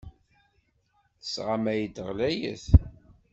Tesɣamay-d ɣlayet.